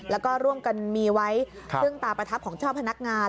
แล้วก็ร่วมกันมีไว้ซึ่งตาประทับของเจ้าพนักงาน